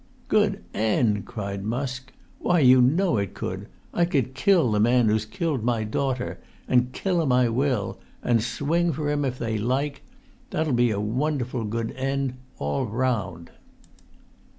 "Good end!" cried Musk. "Why, you know it could. I could kill the man who's killed my daughter—and kill him I will—and swing for him if they like. That'll be a wonderful good end all round!"